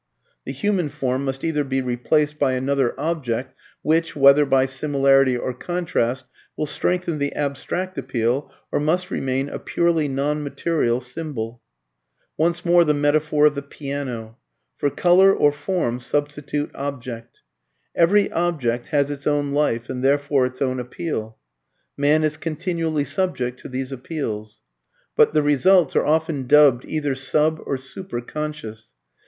The human form must either be replaced by another object which, whether by similarity or contrast, will strengthen the abstract appeal, or must remain a purely non material symbol. [Footnote: Cf. Translator's Introduction, pp. xviii and xx. M.T.H.S.] Once more the metaphor of the piano. For "colour" or "form" substitute "object." Every object has its own life and therefore its own appeal; man is continually subject to these appeals. But the results are often dubbed either sub or super conscious.